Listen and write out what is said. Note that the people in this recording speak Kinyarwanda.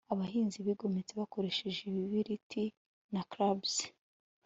abahinzi bigometse bakoresheje ibibiriti na clubs